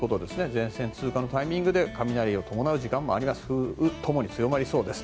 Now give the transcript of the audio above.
前線通過のタイミングで雷を伴う時間もあり風雨ともに強まりそうです。